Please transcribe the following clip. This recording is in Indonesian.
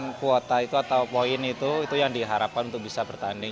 dengan kuota itu atau poin itu itu yang diharapkan untuk bisa bertanding